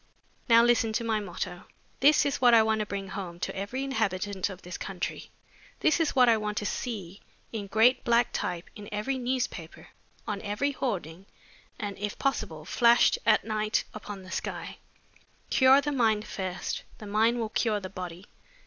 Now listen to my motto. This is what I want to bring home to every inhabitant of this country. This is what I want to see in great black type in every newspaper, on every hoarding, and if possible flashed at night upon the sky: 'Cure the mind first; the mind will cure the body.'